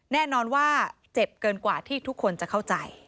แน่นอนว่าเจ็บเกินกว่าที่ทุกคนจะเข้าใจ